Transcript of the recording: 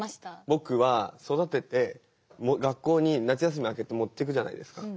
僕は育てて学校に夏休み明けて持っていくじゃないですか。